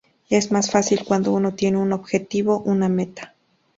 Es más fácil cuando uno tiene un objetivo, una meta.